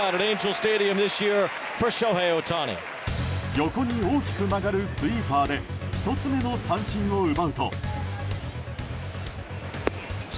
横に大きく曲がるスイーパーで１つ目の三振を奪うと。